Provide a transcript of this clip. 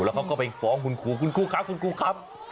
แล้วเขาก็ไปฟ้องคุณครูคุณครูครับคุณครูครับ